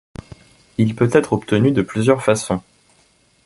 Il peut être obtenu de plusieurs façons.